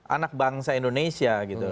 anak bangsa indonesia gitu